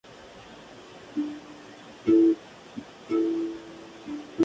Los visitantes son puestos en situación mediante la visualización de una presentación audiovisual.